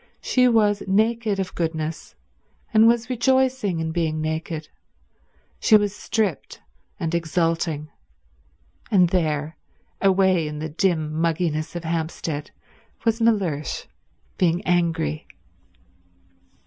She was naked of goodness, and was rejoicing in being naked. She was stripped, and exulting. And there, away in the dim mugginess of Hampstead, was Mellersh being angry.